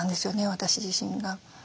私自身が。